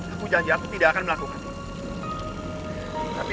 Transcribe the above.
aku janji aku tidak akan melakukan itu